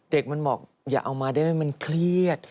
เด็กมันบอกอย่าเอามาได้ไหมมันเครียด